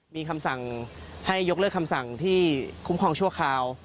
มีคำสั่งให้ยกเลิกคำสั่งที่คุ้มครองชั่วคราว